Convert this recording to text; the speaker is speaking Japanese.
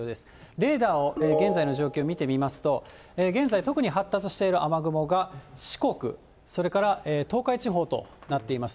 レーダーを、現在の状況を見てみますと、現在、特に発達している雨雲が、四国、それから東海地方となっています。